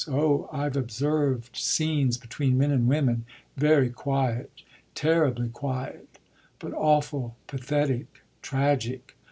Oh I've observed scenes between men and women very quiet, terribly quiet, but awful, pathetic, tragic!